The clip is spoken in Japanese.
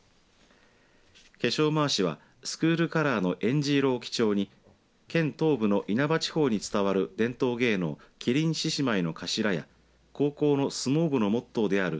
化粧まわしは、スクールカラーのえんじ色を基調に県東部の因幡地方に伝わる伝統芸能麒麟獅子舞の頭や高校の相撲部のモットーである